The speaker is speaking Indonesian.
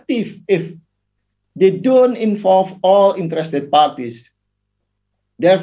tidak berkesan jika tidak mengikuti semua partai yang berminat